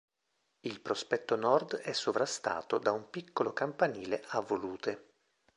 Il prospetto nord è sovrastato da un piccolo campanile a volute.